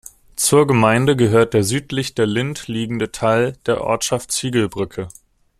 Zur Gemeinde gehört der südlich der Linth liegende Teil der Ortschaft Ziegelbrücke.